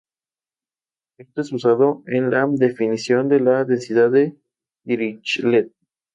El señorío de Valverde tiene una historia compleja.